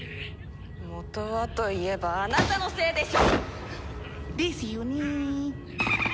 元はといえばあなたのせいでしょ！ですよね。